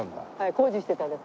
工事してたんです